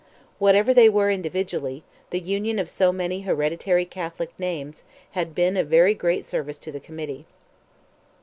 Whatever they were individually, the union of so many hereditary Catholic names had been of very great service to the committee.